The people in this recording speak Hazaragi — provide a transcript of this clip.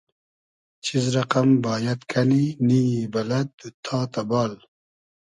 چیز رئقئم بایئد کئنی, نییی بئلئد, دوتتا تئبال